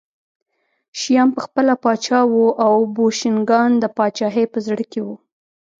شیام پخپله پاچا و او بوشنګان د پاچاهۍ په زړه کې وو